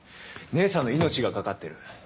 姉さんの命が懸かってる。